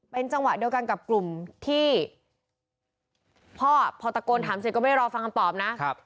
เป็นจังหวะเดียวกันกับกลุ่มที่พ่อพอตะโกนถามเสร็จก็ไม่ได้รอฟังคำตอบนะ